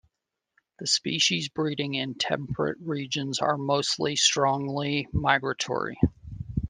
The species breeding in temperate regions are mostly strongly migratory.